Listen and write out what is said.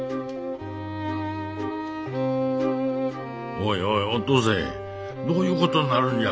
おいおいお登勢どういうことになるんじゃ。